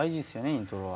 イントロは。